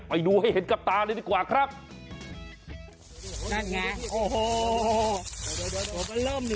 ไปดูให้เห็นกับตาเลยดีกว่าครับ